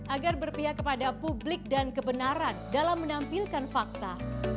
agar berpihak kepada publik dan kebenaran dalam menampilkan fakta